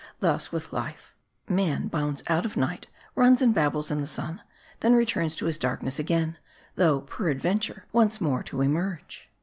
Thus with life : man bounds out of night ; runs and babbles in the sun ; then returns to his darkness again ; though, peradventure, once more to emerge.